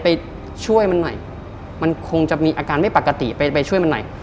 ไปช่วยมันหน่อยมันคงจะมีอาการไม่ปกติไปไปช่วยมันหน่อย